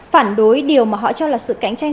phản đối điều mà họ cho là sự cạnh tranh